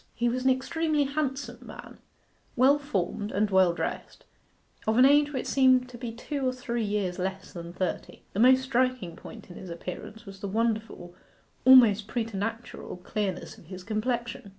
He was an extremely handsome man, well formed, and well dressed, of an age which seemed to be two or three years less than thirty. The most striking point in his appearance was the wonderful, almost preternatural, clearness of his complexion.